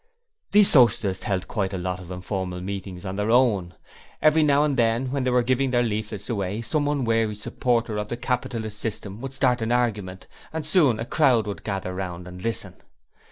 These Socialists held quite a lot of informal meetings on their own. Every now and then when they were giving their leaflets away, some unwary supporter of the capitalist system would start an argument, and soon a crowd would gather round and listen.